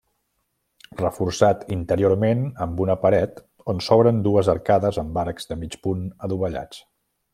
Reforçat interiorment amb una paret on s'obren dues arcades amb arcs de mig punt adovellats.